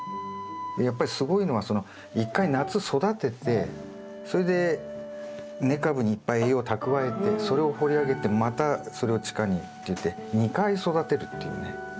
やっぱりすごいのは一回夏育ててそれで根株にいっぱい栄養を蓄えてそれを掘り上げてまたそれを地下にっていって２回育てるっていうね。